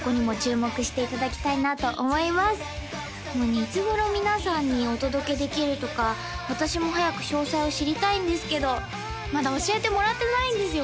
いつ頃皆さんにお届けできるとか私も早く詳細を知りたいんですけどまだ教えてもらってないんですよ